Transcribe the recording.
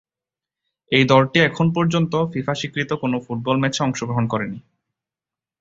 এই দলটি এখন পর্যন্ত ফিফা স্বীকৃত কোনো ফুটবল ম্যাচে অংশগ্রহণ করেনি।